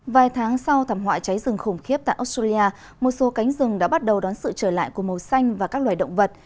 vài tháng sau thảm họa cháy rừng khủng khiếp tại australia một số cánh rừng đã bắt đầu đón sự trở lại của màu xanh và các loài động vật